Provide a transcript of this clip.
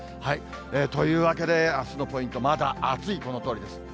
というわけであすのポイント、まだ暑い、このとおりです。